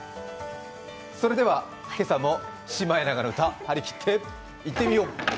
それでは、今朝も「シマエナガの歌」はりきっていってみよう！